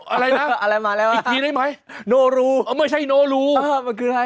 อะไรนะอะไรมาแล้วอีกทีได้ไหมโนรูไม่ใช่โนรูเออมันคืออะไร